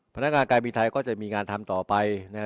ภาษาการกายบินไทยก็จะมีงานทำต่อไปนะครับ